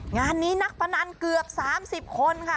งานนี้นักพนันเกือบ๓๐คนค่ะ